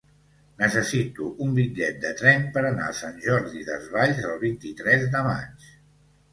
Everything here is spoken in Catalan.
Necessito un bitllet de tren per anar a Sant Jordi Desvalls el vint-i-tres de maig.